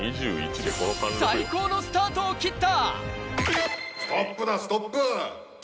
最高のスタートを切った。